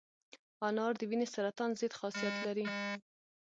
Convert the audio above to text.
انار د وینې سرطان ضد خاصیت لري.